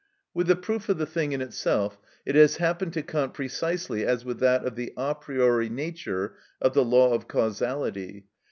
With the proof of the thing in itself it has happened to Kant precisely as with that of the a priori nature of the law of causality.